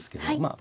あ